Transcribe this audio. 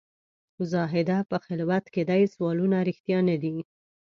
زاهده په خلوت کې دي سوالونه رښتیا نه دي.